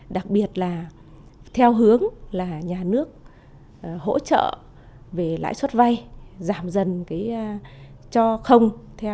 đặc biệt là theo hướng là nhà nước hỗ trợ về lãi suất vay giảm dần cho không